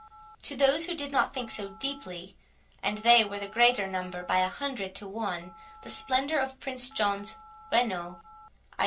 To those who did not think so deeply, and they were the greater number by a hundred to one, the splendour of Prince John's "rheno", (i.